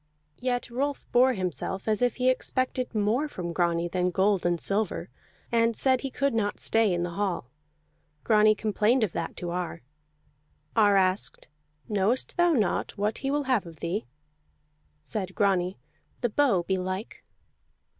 Yet Rolf bore himself as if he expected more from Grani than gold and silver, and said he could not stay in the hall. Grani complained of that to Ar. Ar asked: "Knowest thou not what he will have of thee?" Said Grani, "The bow, belike."